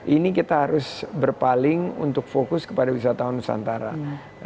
ini kita harus berpaling untuk fokus kepada wisatawan nusantara